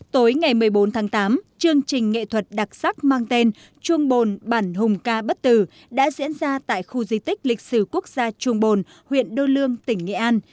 tối ngày một mươi bốn tháng tám chương trình nghệ thuật đặc sắc mang tên chuông bồn bản hùng ca bất tử đã diễn ra tại khu di tích lịch sử quốc gia trung bồn huyện đô lương tỉnh nghệ an